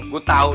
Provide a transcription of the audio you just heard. gua tahu nih